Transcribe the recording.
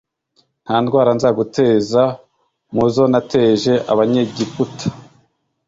nta ndwara nzaguteza mu zo nateje abanyegiputa.